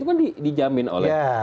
itu kan dijamin oleh